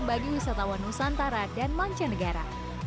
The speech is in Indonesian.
bagi wisatawan nusantara dan mancanegara